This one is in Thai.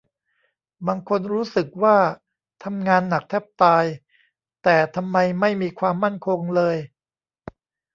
บางคนรู้สึกว่าทำงานหนักแทบตาย แต่ทำไมไม่มีความมั่นคงเลย